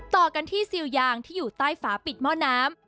ต่อกันที่ซิลยางที่อยู่ใต้ฝาปิดหม้อน้ำ